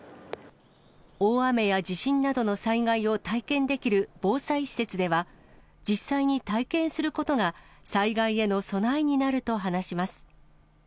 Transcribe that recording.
大雨や地震などの災害を体験できる防災施設では、実際に体験することが災害への備えになると話します。